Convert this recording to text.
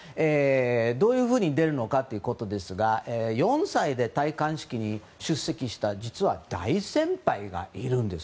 どういうふうに出るのかということですが４歳で戴冠式に出席した実は大先輩がいるんです。